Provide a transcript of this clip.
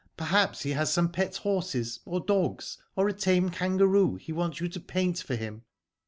Perhaps he has some pet horses or dogs or a tame kangaroo he wants you to paint for him.